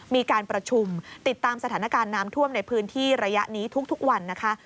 มีการประชุมติดตามสถานการณ์น้ำท่วมในพื้นที่ระยะนี้ทุกวันนะคะ